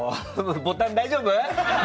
ボタン大丈夫？